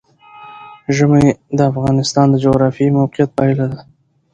ژمی د افغانستان د جغرافیایي موقیعت پایله ده.